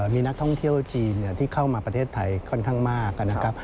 มีนักท่องเที่ยวจีนที่เข้ามาประเทศไทยค่อนข้างมากนะครับ